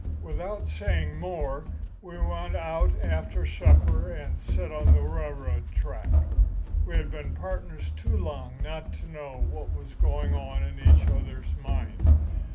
"Without saying any more, we went out after supper and set on the railroad track. We had been pardners too long not to know what was going on in each other's mind.